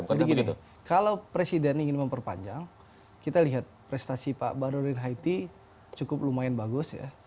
jadi gini kalau presiden ingin memperpanjang kita lihat prestasi pak badrodin haiti cukup lumayan bagus ya